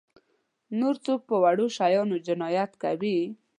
نور څوک په وړو شیانو جنایت نه کوي.